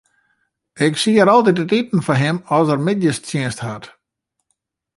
Ik sied altyd it iten foar him as er middeistsjinst hat.